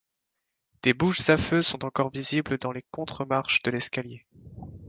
Des bouches à feu sont encore visibles dans les contre-marches de l'escalier.